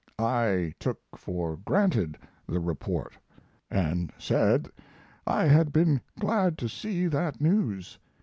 I took for granted the report, and said I had been glad to see that news.